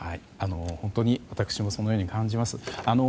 本当に私もそのように感じます。